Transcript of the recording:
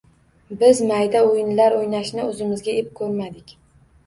Biz mayda o’yinlar o’ynashni o’zimizga ep ko’rmadik